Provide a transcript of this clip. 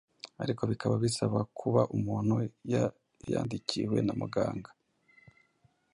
ariko bikaba bisaba kuba umuntu yayandikiwe na muganga,